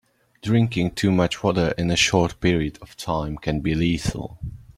Drinking too much water in a short period of time can be lethal.